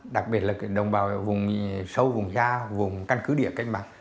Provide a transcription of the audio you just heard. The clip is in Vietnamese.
đặc biệt là đồng bào vùng sâu vùng xa vùng căn cứ địa cạnh mặt